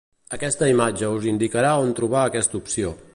Aquesta imatge us indicarà on trobar aquesta opció.